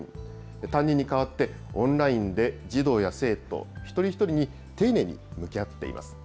担任に代わって、オンラインで児童や生徒一人一人に丁寧に向き合っています。